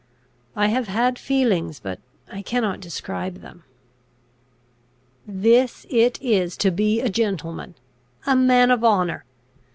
I have had feelings, but I cannot describe them. "This it is to be a gentleman! a man of honour!